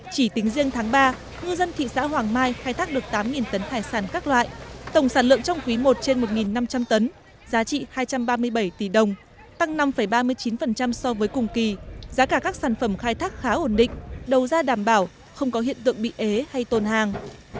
chỉ tính riêng tháng ba ngư dân thị xã hoàng mai khai thác được tám tấn hải sản các loại tổng sản lượng trong quý i trên một năm trăm linh tấn giá trị hai trăm ba mươi bảy tỷ đồng tăng năm ba mươi chín so với cùng kỳ giá cả các sản phẩm khai thác khá ổn định đầu ra đảm bảo không có hiện tượng bị ế hay tôn hàng